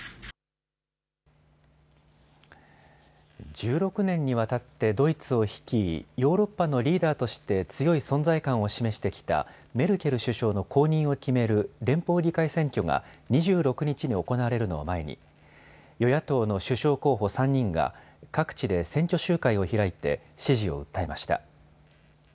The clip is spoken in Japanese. １６年にわたってドイツを率い、ヨーロッパのリーダーとして強い存在感を示してきたメルケル首相の後任を決める連邦議会選挙が２６日に行われるのを前に与野党の首相候補３人が各地で選挙集会を開いて支持を訴えました。